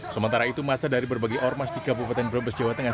sementara itu masa dari berbagai ormas di kabupaten brebes jawa tengah